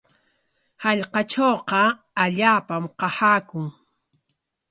Hallqatrawqa allaapam qasaakun.